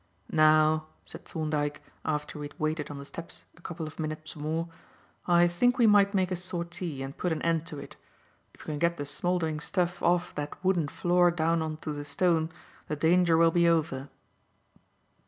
"Now," said Thorndyke, after we had waited on the steps a couple of minutes more, "I think we might make a sortie and put an end to it. If we can get the smouldering stuff off that wooden floor down on to the stone, the danger will be over."